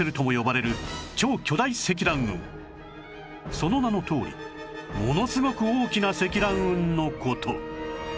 その名のとおりものすごく大きな積乱雲の事